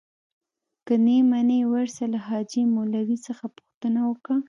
که نې منې ورسه له حاجي مولوي څخه پوښتنه وکه.